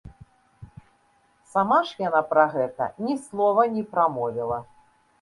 Сама ж яна пра гэта ні слова не прамовіла.